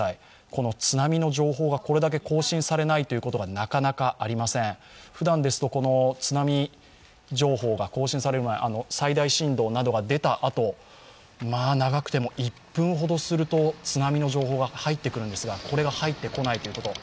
この津波の情報がこれだけ更新されないということがなかなかありません、ふだんですと津波情報が更新されるまで最大震度などが出たあと長くても１分ほどすると津波の情報が入ってくるんですが入ってくるんですが、これが入ってこないということ。